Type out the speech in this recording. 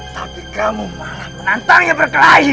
tapi kamu malah menantangnya berkelahi